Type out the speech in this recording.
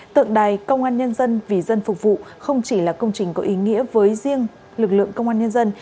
tượng đài công an nhân dân vì dân phục vụ không chỉ là công trình có ý nghĩa với riêng lực lượng công an nhân dân